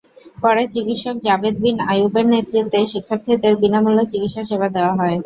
পরে চিকিৎসক জাবেদ বিন আয়ুবের নেতৃত্বে শিক্ষার্থীদের বিনা মূল্যে চিকিৎসাসেবা দেওয়া হয়।